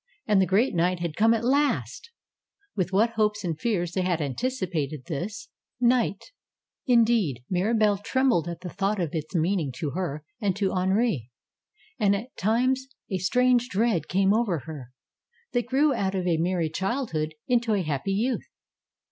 And the great night had come at last ! With what hopes and fears they had anticipated this 115 116 MIRABELLE night. Indeed, Mirabelle trembled at the thought of its meaning to her and to Henri. And at times a strange dread came over her. They grew out of a merry childhood into a happy youth.